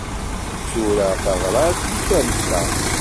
Tura tabrat i talsa.